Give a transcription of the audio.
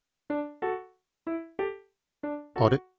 あれ？